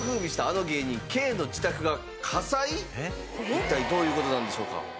一体どういう事なんでしょうか？